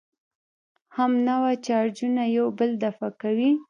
همنوع چارجونه یو بل دفع کوي.